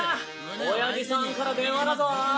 親父さんから電話だぞ！